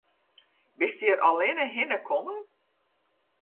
Bist hjir allinne hinne kommen?